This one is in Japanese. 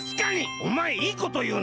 おまえいいこというな。